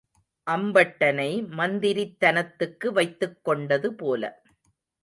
அம்பட்டனை மந்திரித்தனத்துக்கு வைத்துக் கொண்டது போல.